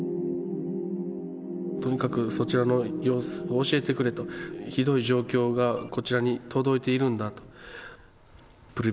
ともかくそちらの様子を教えてくれと、ひどい状況がこちらに届いているんだと。